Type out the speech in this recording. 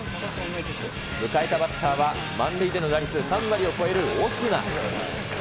迎えたバッターは、満塁での打率３割を超えるオスナ。